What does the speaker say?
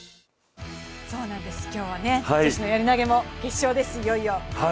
女子のやり投も決勝です、いよいよ。